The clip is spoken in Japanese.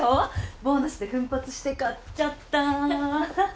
ボーナスで奮発して買っちゃった。